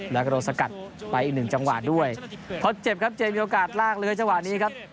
แล้วก็โดดสกัดไปอีกหนึ่งจังหวะด้วยเพราะเจ็บครับเจมส์มีโอกาสลากเลื้อชะวัดนี้ครับ